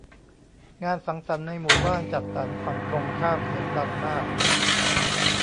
งานสังสรรค์ในหมู่บ้านจัดสรรฝั่งตรงข้ามเสียงดังมาก